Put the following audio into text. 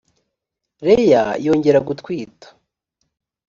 leya yongera gutwita